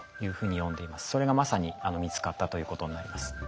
それがまさに見つかったということになります。